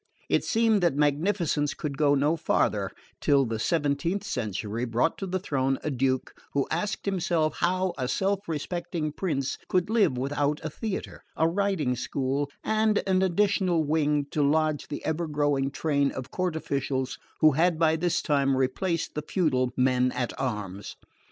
It seemed that magnificence could go no farther, till the seventeenth century brought to the throne a Duke who asked himself how a self respecting prince could live without a theatre, a riding school and an additional wing to lodge the ever growing train of court officials who had by this time replaced the feudal men at arms.